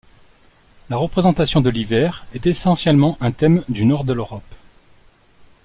La représentation de l'hiver est essentiellement un thème du nord de l'Europe.